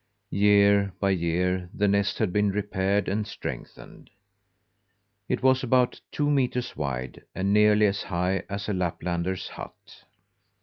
Year by year the nest had been repaired and strengthened. It was about two metres wide, and nearly as high as a Laplander's hut.